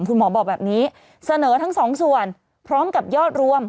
คุณหมอบอกแบบนี้เสนอทั้งสองส่วนพร้อมกับยอดรวม